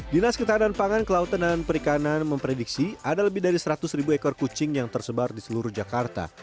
dinas ketahanan pangan kelautan dan perikanan memprediksi ada lebih dari seratus ribu ekor kucing yang tersebar di seluruh jakarta